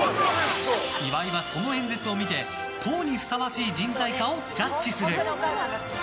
岩井は、その演説を見て党にふさわしい人材かをジャッジする！